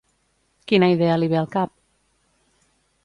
Quina idea li ve al cap?